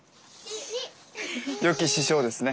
よき師匠ですね。